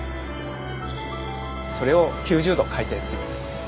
それを９０度回転する。